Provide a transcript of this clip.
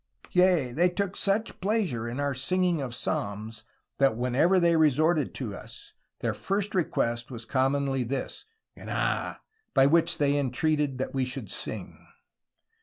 Yea they tooke such pleasure in our singing of Psalmes, that whensoeuer they resorted to vs, their first request was commonly this, Gnaah, by which they intreated that we would sing.